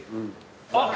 あっ！